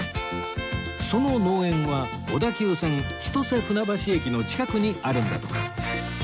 その農園は小田急線千歳船橋駅の近くにあるんだとか